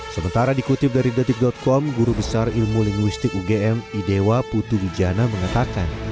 sementara dikutip dari detik com guru besar ilmu linguistik ugm idewa putu wijana mengatakan